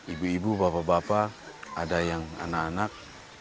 ibu ibu bapak bapak ada yang anak anak